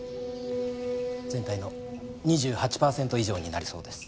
全体の２８パーセント以上になりそうです。